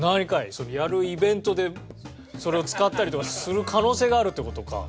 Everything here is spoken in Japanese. そのやるイベントでそれを使ったりとかする可能性があるって事か。